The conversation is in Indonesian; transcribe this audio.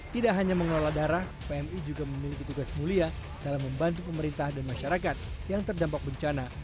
tidak hanya mengelola darah pmi juga memiliki tugas mulia dalam membantu pemerintah dan masyarakat yang terdampak bencana